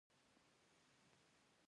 موږ اومه تیل په سپینو تیلو او ګازو بدلوو.